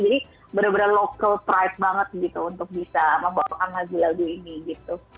benar benar local pride banget gitu untuk bisa membawakan lagu lagu ini gitu